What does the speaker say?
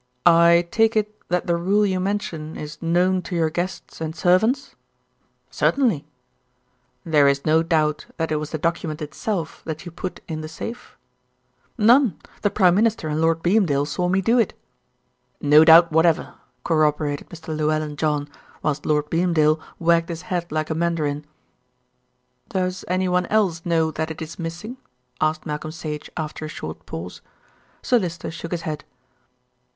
"I take it that the rule you mention is known to your guests and servants?" "Certainly." "There is no doubt that it was the document itself that you put in the safe?" "None; the Prime Minister and Lord Beamdale saw me do it." "No doubt whatever," corroborated Mr. Llewellyn John, whilst Lord Beamdale wagged his head like a mandarin. "Does anyone else know that it is missing?" asked Malcolm Sage after a short pause. Sir Lyster shook his head.